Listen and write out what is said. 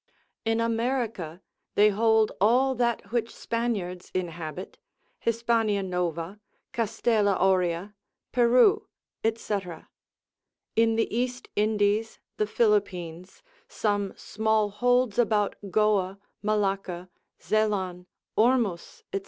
In America, they hold all that which Spaniards inhabit, Hispania Nova, Castella Aurea, Peru, &c. In the East Indies, the Philippines, some small holds about Goa, Malacca, Zelan, Ormus, &c.